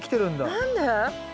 何で？